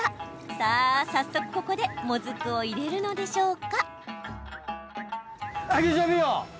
さあ、早速ここでもずくを入れるのでしょうか？